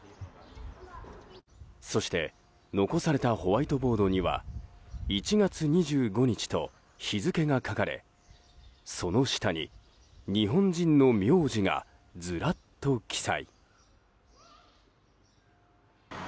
そして残されたホワイトボードには１月２５日と日付が書かれその下に日本人の名字がずらっと記載。